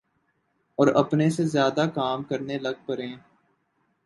اوراپنے سے زیادہ کام کرنے لگ پڑیں۔